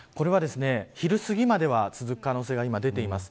これは昼すぎまでは続く可能性が出ています。